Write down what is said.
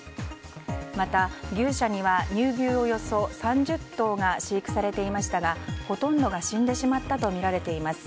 また、牛舎には乳牛およそ３０頭が飼育されていましたがほとんどが死んでしまったとみられています。